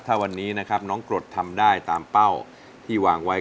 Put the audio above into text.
ถ้าวันนี้นะครับน้องกรดทำได้ตามเป้าที่วางไว้